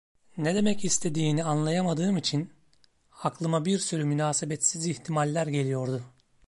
Ne demek istediğini anlayamadığım için, aklıma bir sürü münasebetsiz ihtimaller geliyordu.